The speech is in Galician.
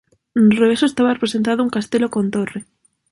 No reverso estaba representado un castelo con torre.